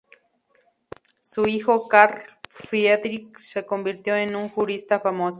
Su hijo, Karl Friedrich, se convirtió en un jurista famoso.